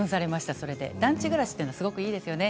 それで団地暮らしがすごくいいですよね。